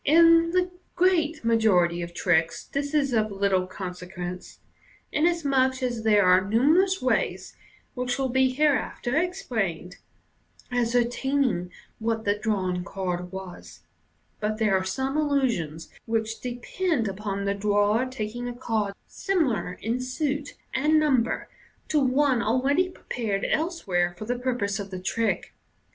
In the great majority of tricks this is of little consequence, inasmuch as there are numerous ways (which will be hereafter explained) of ascertaining what the drawn card was j out there are some illusions which depend upon the drawer taking a card similar in suit and number to one already prepared elsewhere for the purpose of the trick.